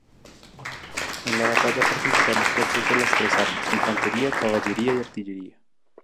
En la batalla participaron fuerzas de las tres armas: infantería, caballería y artillería.